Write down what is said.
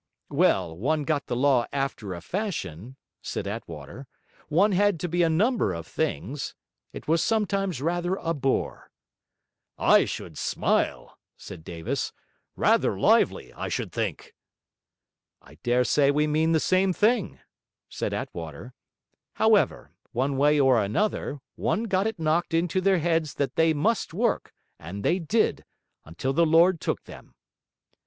'Well, one got the law after a fashion,' said Attwater. 'One had to be a number of things. It was sometimes rather a bore.' 'I should smile!' said Davis. 'Rather lively, I should think!' 'I dare say we mean the same thing,' said Attwater. 'However, one way or another, one got it knocked into their heads that they MUST work, and they DID... until the Lord took them!'